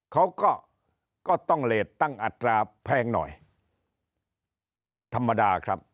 เขาก็ก็ต้องเลสตั้งอัตราแพงหน่อยธรรมดาครับ